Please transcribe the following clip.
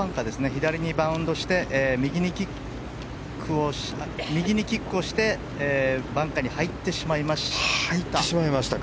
左にバウンドして右にキックしてバンカーに入ってしまいました。